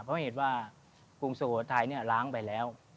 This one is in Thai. เพราะเว้งเห็นว่ากรุงสุโขทัยนี่ล้างไปแล้ว